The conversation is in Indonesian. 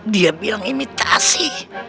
gak ada imitasi